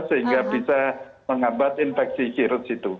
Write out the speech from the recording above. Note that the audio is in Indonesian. sehingga bisa menghambat infeksi virus itu